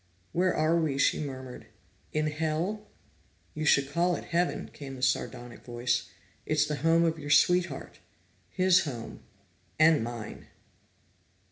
"Where are we?" she murmured. "In Hell?" "You should call it Heaven," came the sardonic voice. "It's the home of your sweetheart. His home and mine!"